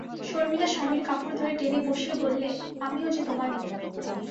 শর্মিলা স্বামীর কাপড় ধরে টেনে বসিয়ে বললে, আমিও যে তোমারই।